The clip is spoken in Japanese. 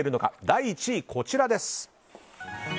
第１位、こちらです。